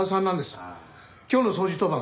今日の掃除当番